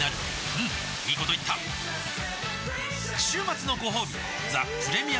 うんいいこと言った週末のごほうび「ザ・プレミアム・モルツ」